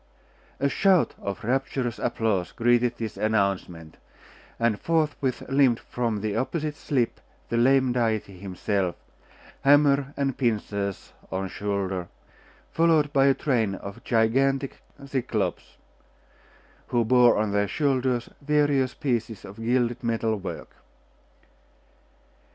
A shout of rapturous applause greeted this announcement, and forthwith limped from the opposite slip the lame deity himself, hammer and pincers on shoulder, followed by a train of gigantic Cyclops, who bore on their shoulders various pieces of gilded metal work.